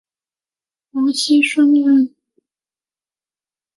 王沂孙人。